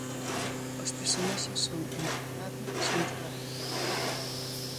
Os personaxes son, en realidade, xente da vila.